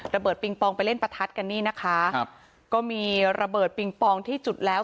ปิงปองไปเล่นประทัดกันนี่นะคะครับก็มีระเบิดปิงปองที่จุดแล้ว